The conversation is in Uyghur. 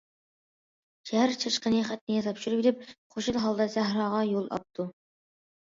شەھەر چاشقىنى خەتنى تاپشۇرۇۋېلىپ خۇشال ھالدا سەھراغا يول ئاپتۇ.